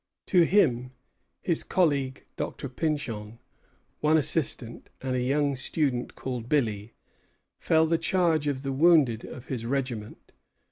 To him, his colleague Doctor Pynchon, one assistant, and a young student called "Billy," fell the charge of the wounded of his regiment.